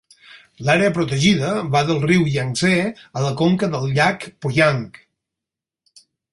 L'àrea protegida va del riu Yangtze a conca del llac Poyang.